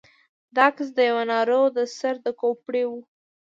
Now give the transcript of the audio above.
دا عکس د يوه ناروغ د سر د کوپړۍ و.